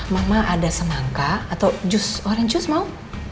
mama ada semangka atau jus orange juice mau